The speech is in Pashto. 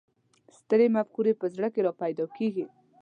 سترې مفکورې په زړه کې را پیدا کېږي.